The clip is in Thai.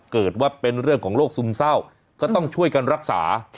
เกิดว่าเป็นเรื่องของโรคซึมเศร้าก็ต้องช่วยกันรักษา